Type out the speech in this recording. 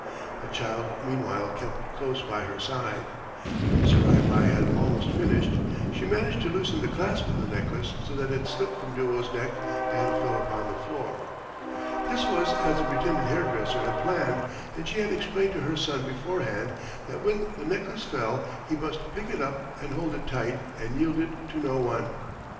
The child meanwhile kept close by her side. When Surai Bai had almost finished she managed to loosen the clasp of the necklace so that it slipped from Duo's neck and fell upon the floor. This was as the pretended hairdresser had planned, and she had explained to her son beforehand that when the necklace fell he must pick it up and hold it tight, and yield it to no one.